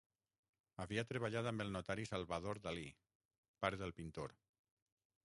Havia treballat amb el notari Salvador Dalí, pare del pintor.